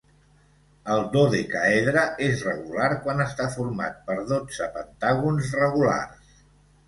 El dodecàedre és regular quan està format per dotze pentàgons regulars.